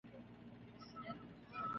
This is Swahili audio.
mwetu Ni kutokana na historia yake hususan